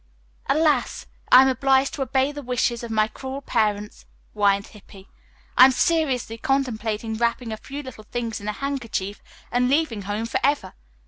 "Alas! I am obliged to obey the wishes of my cruel parents," whined Hippy. "I am seriously contemplating wrapping a few little things in a handkerchief and leaving home forever.